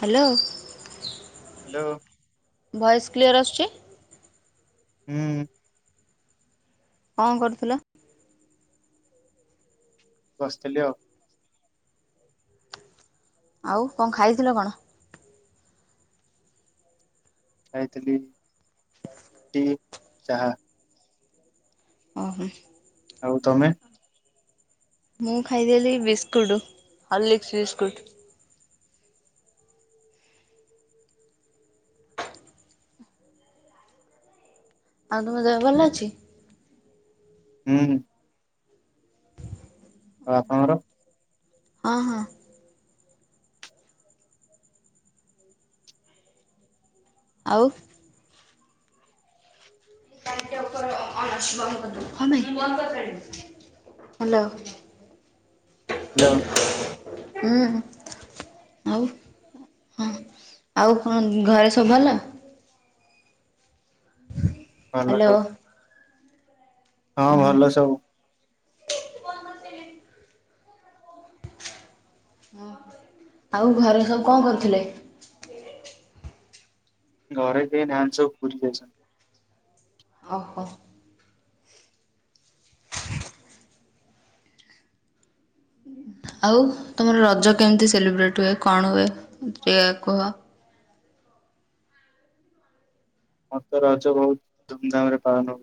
Hello. Hello. Voice clear ଆସୁଛି। ହୁଁ। କଣ କରୁଥିଲ? ବସିଥିଲି ଆଉ। ଆଉ କଣ ଖାଇଥିଲ କଣ? ଖାଇଥିଲି ଟି ଚାହା। ଓ ହୋ। ଆଉ ତମେ? ମୁଁ ଖାଇଦେଲିି ବିସ୍କୁଟ ହର୍ଲିସ୍କ ବିସ୍କୁଟ୍। ଆଉ ତୁମ ଦେହଭଲ ଅଛି? ଉଁ। ଆ ଆପଣଙ୍କର? ହଁ ହଁ। ଆଉ? [unintelligible] ହ୍ୟାଲୋ। ଲୋ ଉଁ। ଆଉ ହଁ ଆଉ କଣ ଘରେ ସବୁ ଭଲ? ଭଲ ହ୍ୟାଲୋ ହଁ ସବ ହଁ ଭଲ ସବୁ। [inaudible] ହୁଁ ଆଉ ଘରେ ସବୁ କଁ କରଥିଲେ? ଘରେ କେଇ ନାହାନ୍ତି ସବୁ ପୁରି ଯାଇଛ ଆ ହଁ। ଆଉ ତୁମର ରଜ କେମତି ସେଲିବ୍ରେଟ୍ ହୁଏ କଣ ହୁଏ ଟିଏ କୁହ? ମତ ରଜ ବହୁତ ଧୁମଧାମ ରେ ପାଳନ ହୁ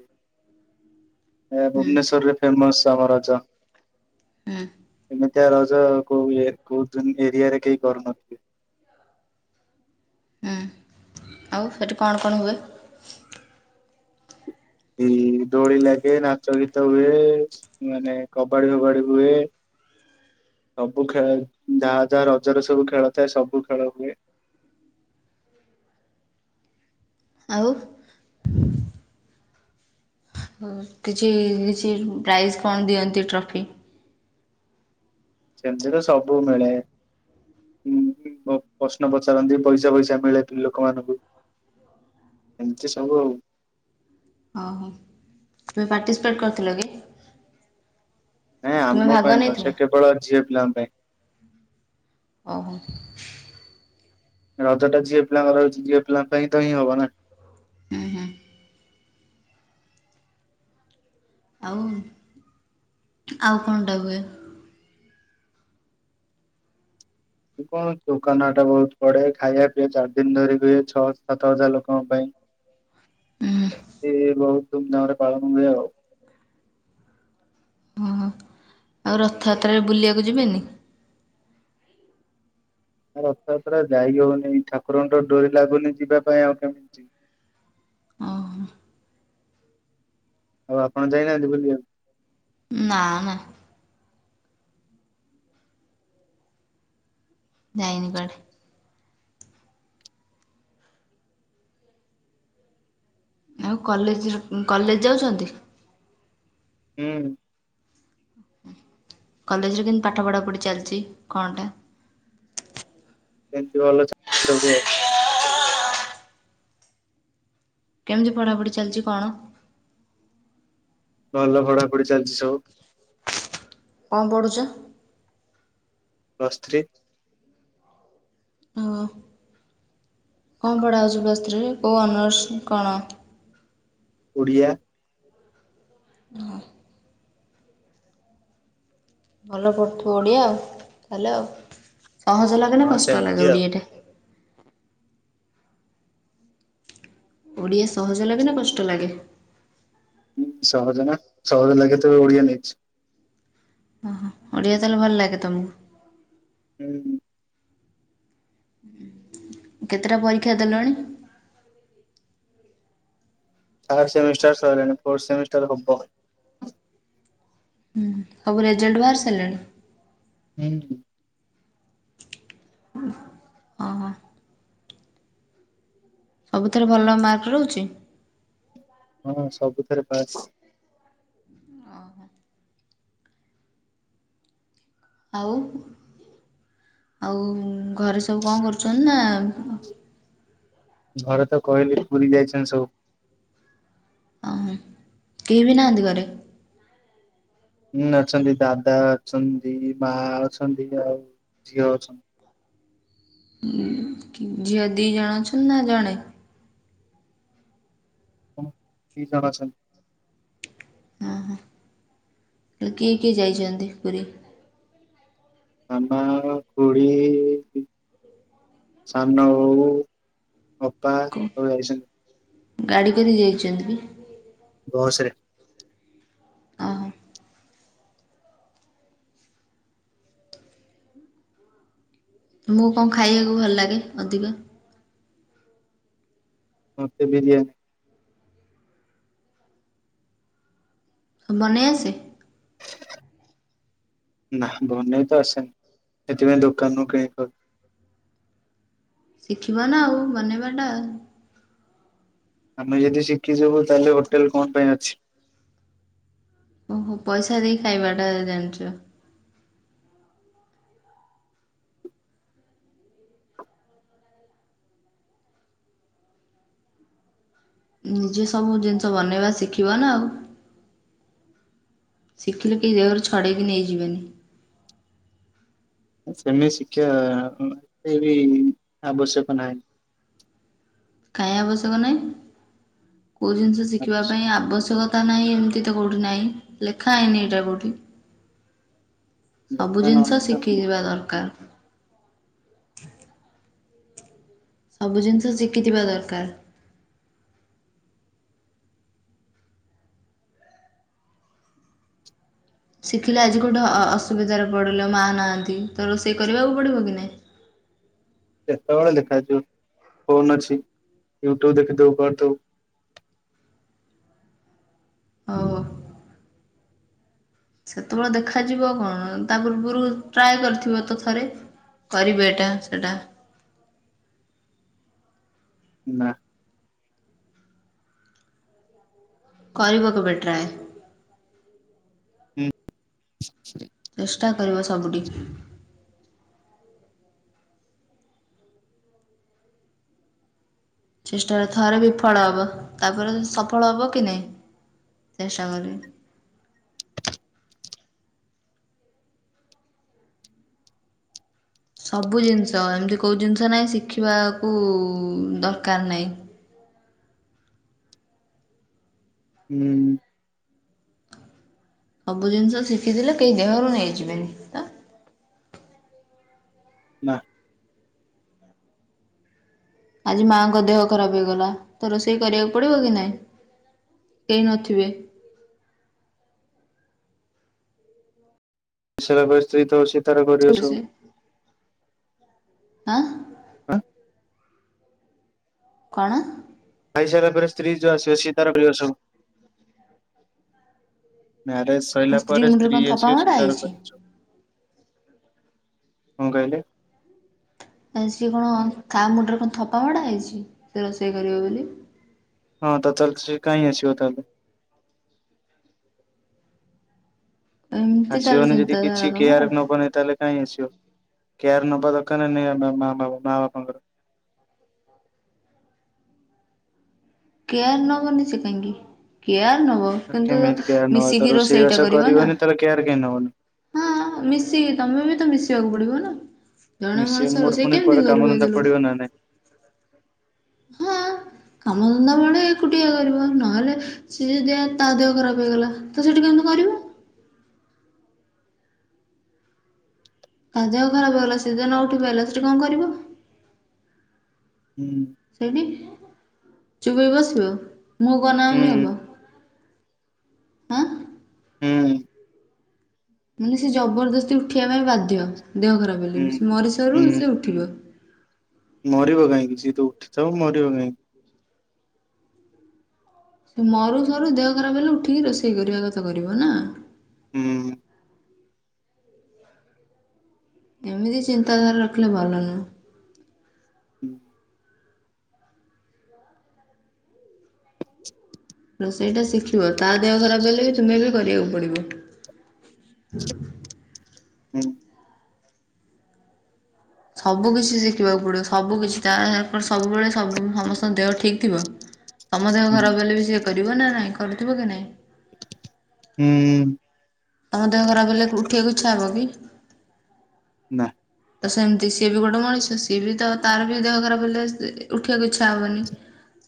ଏ ହୁଁ ଭୁବନେଶ୍ୱରରେ। ଫେମସ ଆମ ରଜ। ହୁଁ। ଏମିତିଆ ରଜ କୋଉ ୟେ କୋଉ ଦିନି ଏରିଆ ରେ କେହି କରୁନଥିବେ। ଉଁ ଆଉ ସେଠି କଣ କଣ ହୁଏ? ଇ ଦୋଳି ଲାଗେ ନାଚ ଗୀତ ହୁଏ ମାନେ କବାଡି ଫବାଡି ହୁଏ ସବୁ ଖେଳ ଯାହା ଯାହା ରଜରେ ସବୁ ଖେଳ ଥାଏ ସବୁ ଖେଳ ହୁଏ। ଆଉ? ହଉ କିଛି କିଚି ପ୍ରାଇଜ୍ କଣ ଦିଅନ୍ତି ଟ୍ରଫି? ସେମତି ତ ସବୁ ମିଡେ ଉଁ ମ ପ୍ରଶ୍ନ ପଚାରନ୍ତି ପଇସା ଫଇସା ମିଳେ ପି ଲୋକମାନଙ୍କୁ। ଏମିତି ସବୁ ଆଉ। ଓ ହୋ ତୁମେ ପାର୍ଟିସିପେଟ୍ କରଥିଲ କି? ନାଇଁ ତୁମେ ଆମ ଭାଗ ପାଇଁ ନୁହ ନେଇଥିଲ ସେ କେବଳ ଝିଅ ପିଲାଙ୍କ ପାଇଁ। ଓହୋ। ରଜ ଟା ଝିଅ ପିଲାଙ୍କର ରହିଚି ଯିଅ ପିଲାଙ୍କ ପାଇଁ ତ ହିଁ ହବ ନା। ଉହଁ। ଆଉ ଆଉ କଣ ଟା ହୁଏ? ପୁକ କୋଲ ଦୋକାନ ହାଟା ବହୁତ ପଡେ ଖାଇବା ପିଆ ଚାର ଦିନ ଧରି ହୁଏ ଛଅ ସାତ ହଜାର ଲୋକଙ୍କ ପାଇଁ। ହୁଁ ଏ ବହୁତ ଧୁମଧାମ ରେ ପାଳନ ହୁଏ ଆଉ। ଓ ହୋ ଆଉ ରଥଆତ୍ରାରେ ବୁଲିବାକୁ ଯିବେନି? ରଥଯାତ୍ରା ଯାଇ ହଉନି ଠାକୁରଙ୍କତ ଡୋରି ଲାଗୁନି ଯିବା ପାଇଁ ଆଉ କେମିତି ଯିବ ଓହୋ ଆଉ ଆପଣ ଯାଇନାହାନ୍ତି ବୁଲିବାକୁ? ନାହା ଯାଇନି କୁଆଡେ। ଆଉ କଲେର କଲେଜ ଯାଉଚନ୍ତି? ହୁଁ। କଲେଜରେ କେମ ପାଠ ପଢ଼ା ପଢ଼ି ଚାଲିଚି କଣଟା? ସେମିତି ଭଲ [unintelligible] ଚବୁ ଆଉ। କେମତି ପଢାପଢି ଚାଲିଚି କଣ? ଭଲ ପଢାପଢି ଚାଲିଛି ସବୁ। କଁ ପଡ଼ୁଛ? Plus three. ଓ କଣ ପଢ଼ା ହେଉଛି ପ୍ଲସ ଥ୍ରିରେ, କୋଉ ଅନର୍ସ କଣ? ଓଡ଼ିଆ। ଓ। ଭଲ ପଢ଼ୁଥିବ ଓଡ଼ିଆ ତାହେଲେ ଆଉ ସହଜ ଲାଗେ ନା ହଁ କଷ୍ଟ ସେମିତି ଲାଗେ ଆଉ। ଓଡ଼ିଆ ଟା। ଓଡିଆ ସହଜ ଲାଗେ ନା କଷ୍ଟ ଲାଗେ। ଉଁ ସହଜ ନା ସହଜ ଲାଗେ ତେବେ ଓଡିଆ ନେଇଛି। ଓହୋ ଓଡ଼ିଆ ତାହାଲେ ଭଲ ଲାଗେ ତମକୁ। ହୁଁ। କେତେଟା ପରୀକ୍ଷା ଦେଲଣି? ଥାର୍ଡ ସେମିଷ୍ଟାର ସଇଲାଣି, ଫୋର୍ ସେମିଷ୍ଟାର ହବ। ଉଁ ସବୁ ରେଜଲ୍ଟ ବାହାରି ସାରିଲାଣି। ହୁଁ ହୁଁ। ଅ ହ। ସବୁଥିରେ ଭଲ ମାର୍କ ରହୁଛି। ହଁ ସବୁଥିରେ ପାସ୍। ଓହୋ, ଆଉ ଆଉ ଘରେ ସବୁ କଁ କରୁଛନ୍ତି ନା ଘରେ ତ କହିଲି ପୁରୀ ଯାଇଛନ୍ତି ସବୁ। ଅ ହୋ କେହି ବି ନାହାନ୍ତି ଘରେ? ହୁଁ ଅଛନ୍ତି ଦାଦା ଅଛନ୍ତି ମା ଅଛନ୍ତି ଆଉ ଝିଅ ଅଛନ୍ତି। ହୁଁ ଝିଅ ଦି ଜଣ ଅଛନ୍ତି ନା ଜଣେ? କଣ ଦି ଜଣ ଅଛନ୍ତି। ହଁ ହଁ ତା ହେଲେ କିଏ କିଏ ଯାଇଛନ୍ତି ପୁରୀ। ମାମା, ଖୁଡି। ସାନ ବୋଉ, ଅପା ସବୁ ଯାଇଛନ୍ତି। ଗାଡ଼ି କରି ଯାଇଛନ୍ତି କି? ବସରେ। ଓହୋ ମୁଁ କଣ ଖାଇବାକୁ ଭଲ ଲାଗେ ଅଧିକ? ମତେ ବିରିୟାନୀ। ହଁ ବନେଇ ଆସେ। ନା ବନେଇ ତ ଆସେନି ସେଥିପାଇଁ ଦୋକାନରୁ କିଣିିକ ଖାଉଚି। ଶିଖିବ ନା ଆଉ ବନେଇ ବାଟା। ଆମେ ଯଦି ଶିଖିଯିବୁ ତାହେଲେ ହୋଟେଲ କଣ ପାଇଁ ଅଛି। ଓ ହୋ ପଇସା ଦେଇ ଖାଇବାଟା ଜାଣିଛ। ନିଜେ ସବୁ ଜିନିଷ ବନେଇବା ଶିଖିବ ନା ଆଉ। ଶିଖିଲେ କି ଦେହରୁ ଛଡେଇକି ନେଇ ଯିବେନି। ନାଇ ସେମିତି ଶିକ୍ଷିବା ଏତେବି ଆବଶ୍ୟକ ନାହିଁ। କାଇଁ ଆବଶ୍ୟକ ନାହିଁ। କୋଉ ଜିନିଷ ଶିଖିବା ଆବଶ୍ୟକ ପାଇଁ ଆବଶ୍ୟକ କତା ନାହିଁ ଏମିତି ତ କୋଉଠି ନାହିଁ ଲେଖା ହେଇନି ଏଇଟା କୋଉଠି। ସବୁ ଦେଖା ଜିନିଷ ନହେଲେ ଶିଖିଯିବା ଦରକାର। ସବୁ ଜିନିଷ ଶିଖିଥିବା ଦରକାର। ଶିଖିଲେ ଆଜି କୋଉଠେ ଅ ଅସୁବିଧାରେ ପଡ଼ିଲେ ମା ନାହାଁନ୍ତି ତ ରୋଷେଇ କରିବାକୁ ପଡ଼ିବ କି ନାହିଁ। ସେତେବେଳେ ଦେଖାଯିବ ଫୋନ ଅଛି ୟୁଟ୍ୟୁବ ଦେଖି ଦବୁ କରିଦବୁ। ଓ। ସେତେ ବେଳେ ଦେଖାଯିବ କଣ ତା ପୂର୍ବରୁ ଟ୍ରାଏ କରିଥିବ ତ ଥରେ। କରିବୀ ଏଟା ସେଟା। ନା। କରିବ କେବେ ଟ୍ରାଏ। ହୁଁ ଚେଷ୍ଟା କରିବ ସବୁଠି। ଚେଷ୍ଟାରେ ଥରେ ବିଫଳ ହେବ, ତାପରେ ସଫଳ ହେବ କି ନାହିଁ? ଚେଷ୍ଟା କରିବି ସବୁ ଜିନିଷ ଏମିତି କେଉଁ ଜିନିଷ ନାହିଁ ଶିଖିବାକୁ ଦରକାର ନାହିଁ। ହୁଁ। ସବୁ ଜିନିଷ ଶିଖିଥିଲେ କେହି ଦେହରୁ ନେଇଯିବେନି ତ। ନା। ଆଜି ମାଆଙ୍କ ଦେହ ଖରାପ ହେଇଗଲା ତ ରୋଷେଇ କରିବାକୁ ପଡ଼ିବ କି ନାଇଁ? କେହି ନଥିବେ। ସେ [unintelligible] ସ୍ତ୍ରୀ ତ ଅଛି ତାର କରିବ ସେ ସବୁ। ଆଁ? ହଁ। କଣ? ଖାଇସାରିଲା ପରେ ସ୍ତ୍ରୀ [unintelligible] ସେ ତାର ସବୁ ମ୍ୟାରେଜ ମୋ ସରିଲା ପରେ ମୁଣ୍ଡରେ ସ୍ତ୍ରୀ କଣ ଥପା ଆସିବ ମଡ଼ା ସେ ତାର ହେଇଛି? କରିବ ସବୁ। କଣ କହିଲେ? ଆ ସିଏ କଣ ତା ମୁଣ୍ଡରେ କଣ ଥୋପା ଭଡ଼ା ହେଇଚି ସିଏ ରୋଷେଇ କରିବ ବୋଲି? ହଁ ତ ତାହେଲେ ସେ କାହିଁ ଆସିବ ତାହେଲେ। ଏମିତି ତାହେଲେ ଆସିବନି ଯଦି ଚିନ୍ତାଧାରା କିଛି ତମର କେୟାର ନବ ନି ତାହେଲେ କାଇଁ ଆସିବ, କେୟାର ନବା ଦରକାର ନା ନାଇଁ ଆ ମା ବା ମା ବାପାଙ୍କର? କେୟାର ନବ ସେ କାହିଁକି କେୟାର ନବ। କିନ୍ତୁ କେମିତି କେୟାର ନବା ତ ମିଶିକି ରୋଷେଇଟା ରୋଷେଇବାସ କରିବ ନା। କରିବନି ତାହେଲେ କେୟାର କାହିଁ ନବନି। ହଁ ମିଶିକି ତମେ ବି ତ ମିଶିବାକୁ ପଡ଼ିବ ନା। ଜଣେ ମିଶି ମଣିଷର ମୋର ସେ ପୁଣି କୁଆଡେ କେମିତି କାମ କରିବ ଧନ୍ଦା ଏତେ ପଡିବ ଲୋକ ନା ନାଇଁ ହଁ କାମଧନ୍ଦା ବେଳେ ଏକୁଟିଆ କରିବ ନହେଲେ ସିଏ ଯଦି ତା ଦେହ ଖରାପ ହେଇଗଲା ତ ସେଠି କେମିତି କରିବ? ତା ଦେହ ଖରାପ ହେଲା ସେ [unintelligible] ଉଠି ନ ପାରିଲା ତା ହେଲେ ସେଠି କଣ କରିବ? ହୁଁ। ସେଇଠି ଚୁପୁ ହେଇକି ବସିବ, ମୁଁହ କୁ ଅନାଅନି ହୁଁ ହବ। ହଁ। ହୁଁ। ମାନେ ସେ ଜବରଦସ୍ତି ଉଠିବା ପାଇଁ ବାଧ୍ୟ ଦେହ ଖରାପ ହୁଁ। ହେଲେ ମରିସରୁ ହୁଁ ସେ ଉଠିବ। ମରିବ କାହିଁକି ସିଏ ତ ଉଠିଥିବ ମରିବ କାହିଁକି। ସେ ମରୁ ସରୁ ଦେହ ଖରାପ ହେଲେ ଉଠିକି ରୋଷେଇ କରିବା କଥା କରିବ ନା? ହୁଁ। ଏମିତି ଚିନ୍ତାଧାରା ରଖିଲେ ଭଲ ନୁହେଁ। ହୁଁ। ରୋଷେଇଟା ଶିଖିବ, ତା ଦେହ ଖରାପ ହେଲେ ବି ତୁମେ ବି କରିବାକୁ ପଡ଼ିବ। ସବୁ କିିଛି ଶିଖିବାକୁ ପଡ଼ିବ ସବୁ କିିଛି ତା ସବୁବେଳେ ସବୁ [inaudible] ସମସ୍ତଙ୍କ ଦେହ ଠିକ୍ ଥିବ। ତମ ଦେହ ହୁଁ ଖରାପ ହେଲେ ବି ସିଏ କରିବ ନା ନାଇଁ କରୁଥିବ କି ନାଇଁ? ହୁଁ। ତମ ଦେହ ଖରାପ ହେଲେ ଉଠିବାକୁ ଇଚ୍ଛା ହେବ କି? ନା। ତ ସେମିତି ସିଏ ବି ଗୋଟେ ମଣିଷ ସିଏ ବି ତ ତାର ବି ଦେହ ଖରାପ ହେଲେ [inaudible] ଉଠିବାକୁ ଇଚ୍ଛା ହବନି।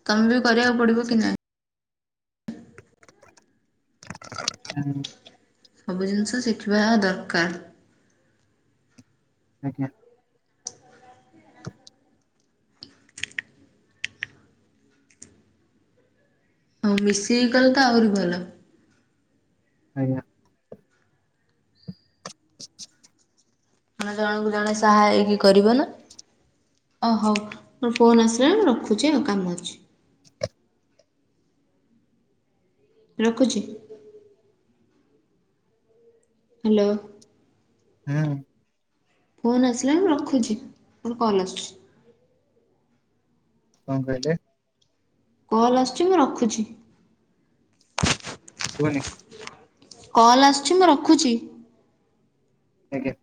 ତମେ ବି କରିବାକୁ ପଡିବ କି ନାହିଁ? ହୁଁ ସବୁ ଜିନିଷ ଶିଖିବା ଦରକାର। ଆଜ୍ଞା। ହଉ ମିଶିକି କଲେ ତ ଆହୁରି ଭଲ। ଆଜ୍ଞା। ମାନେ ଜଣକୁ ଜଣେ ସାହା ହେଇକି କରିବ ନା। ଓ ହଉ ମୋର ଫୋନ ଆସିଲା ମୁ ରଖୁଛି ଆଉ କାମ ଅଛି। ରଖୁଚି। ହାଲୋ। ହୁଁ। ଫୋନ୍ ଆସିଲାଣି ମୁଁ ରଖୁଚି ମୋର କଲ୍ ଆସୁଛି। କଣ କହିଲେ? କଲ୍ ଆସୁଚି ମୁଁ ରଖୁଚି। ସୁଭାନି। କଲ୍ ଆସୁଚି ମୁଁ ରଖୁଚି। ଏ